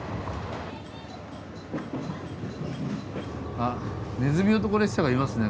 あねずみ男列車がいますね